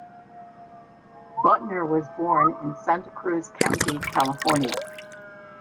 Buttner was born in Santa Cruz County, California.